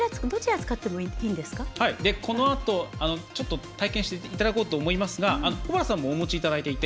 このあと体感していただこうと思いますが保原さんもお持ちいただいていて。